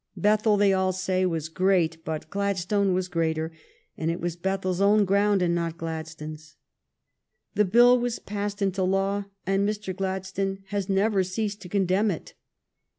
Bethell, they all say, was great, but Gladstone was greater, and it was Bethells own ground and not Gladstone's. The bill was passed into law, and Mr. Gladstone has never ceased to condemn it.